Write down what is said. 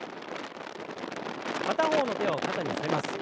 片方の手を肩にのせます。